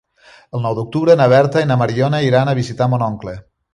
El nou d'octubre na Berta i na Mariona iran a visitar mon oncle.